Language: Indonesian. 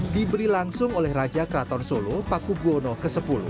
diberi langsung oleh raja kraton solo pakubwono x